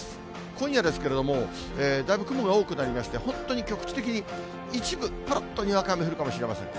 今夜ですけれども、だいぶ雲が多くなりまして、本当に局地的に一部、ぱらっとにわか雨降るかもしれません。